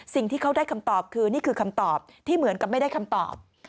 สิ่งที่เขาได้คำตอบคือนี่คือคำตอบที่เหมือนกับไม่ได้คำตอบ